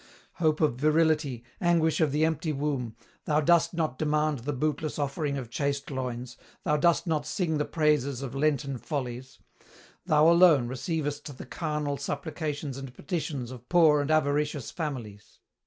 "Hope of Virility, Anguish of the Empty Womb, thou dost not demand the bootless offering of chaste loins, thou dost not sing the praises of Lenten follies; thou alone receivest the carnal supplications and petitions of poor and avaricious families.